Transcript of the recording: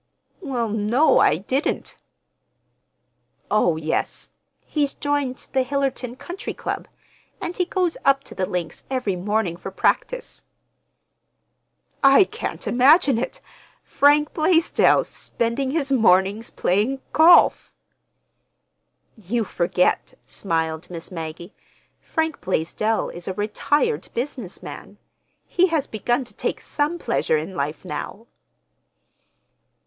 "Well, no, I—didn't." "Oh yes, he's joined the Hillerton Country Club, and he goes up to the links every morning for practice." "I can't imagine it—Frank Blaisdell spending his mornings playing golf!" "You forget," smiled Miss Maggie. "Frank Blaisdell is a retired business man. He has begun to take some pleasure in life now."